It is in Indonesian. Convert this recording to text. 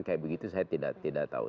kayak begitu saya tidak tahu